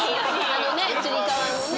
あのつり革のね。